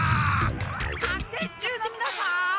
合戦中のみなさん！